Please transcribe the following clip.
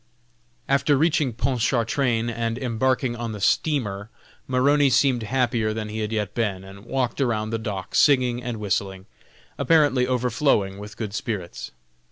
After reaching Pontchartrain, and embarking on the steamer, Maroney seemed happier than he had yet been, and walked around the deck, singing and whistling, apparently overflowing with good spirits.